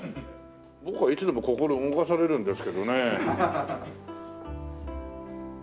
僕はいつでも心動かされるんですけどねえ。